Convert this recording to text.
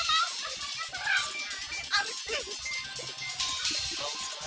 mas gilang beli landa